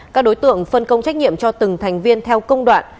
các đối tượng phân công trách nhiệm cho từng thành viên theo công đoạn